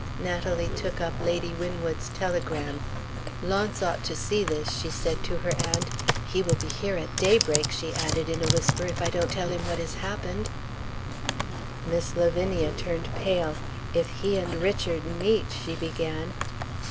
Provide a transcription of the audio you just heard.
Natalie took up Lady Winwood's telegram. "Launce ought to see this," she said to her aunt. "He will be here at daybreak," she added, in a whisper, "if I don't tell him what has happened." Miss Lavinia turned pale. "If he and Richard meet " she began.